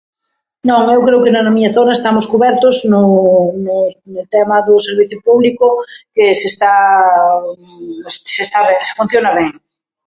Non, eu creo que na miña zona estamos cubertos, no, no, no tema do servicio público se está, se está ben, funciona ben.